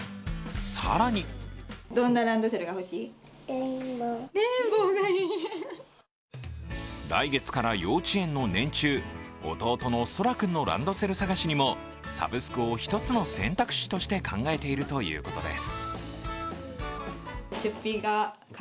更に、来月から幼稚園の年中、弟のそら君のランドセルもサブスクを一つの選択肢として考えているということ手す。